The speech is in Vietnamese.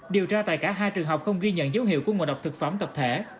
điều tra tại cả hai trường học không ghi nhận dấu hiệu của ngộ độc thực phẩm tập thể